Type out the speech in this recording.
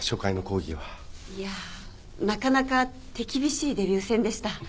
いやなかなか手厳しいデビュー戦でした。